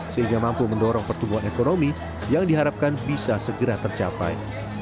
sehingga mampu mendorong pertumbuhan ekonomi yang diharapkan bisa segera tercapai